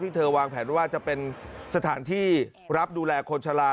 เธอวางแผนว่าจะเป็นสถานที่รับดูแลคนชะลา